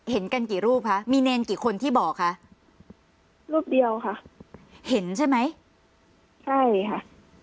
เห็นกันกี่รูปคะมีเนรกี่คนที่บอกคะรูปเดียวค่ะเห็นใช่ไหมใช่ค่ะ